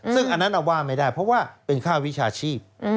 ซึ่งอันนั้นเอาว่าไม่ได้เพราะว่าเป็นค่าวิชาชีพ